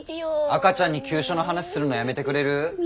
赤ちゃんに急所の話するのやめてくれる？